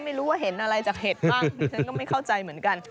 ไม่รู้ว่าเห็นอะไรจากเห็ดบ้างดิฉันก็ไม่เข้าใจเหมือนกัน